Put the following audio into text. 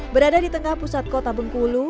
berada di tengah pusat kota bengkulu